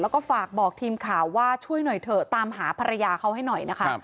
แล้วก็ฝากบอกทีมข่าวว่าช่วยหน่อยเถอะตามหาภรรยาเขาให้หน่อยนะคะ